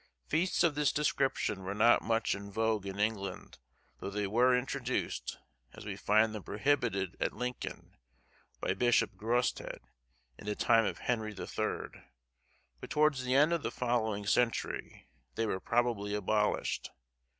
Feasts of this description were not much in vogue in England, though they were introduced, as we find them prohibited at Lincoln, by Bishop Grosthead, in the time of Henry the Third; but towards the end of the following century they were probably abolished.